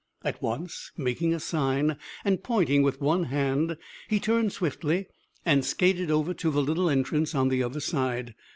At once, making a sign and pointing with one hand, he turned swiftly and skated over to the little entrance on the other side.